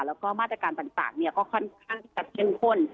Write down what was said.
แล้วก็มาตรการต่างต่างเนี่ยก็ค่อนข้างจะเป็นคน